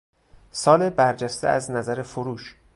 سال برجسته از نظر فروش